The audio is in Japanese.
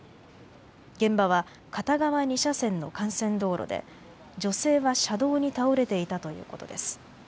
現場は片側２車線の幹線道路で女性は車道に倒れていたということです。